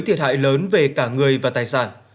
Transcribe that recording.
thiệt hại lớn về cả người và tài sản